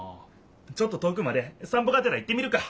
ちょっと遠くまでさん歩がてら行ってみるか！